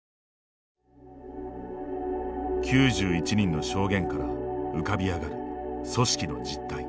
９１人の証言から浮かび上がる組織の実態。